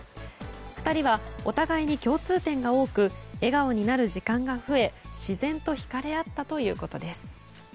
２人はお互いに共通点が多く笑顔になる時間が増え自然とひかれ合ったということです。